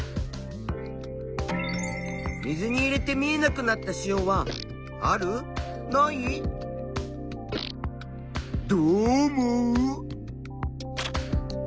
水に入れて見えなくなった塩はどう思う？